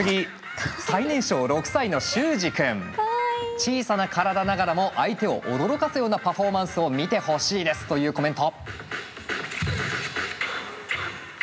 小さな体ながらも相手を驚かすようなパフォーマンスを見てほしいですというコメント。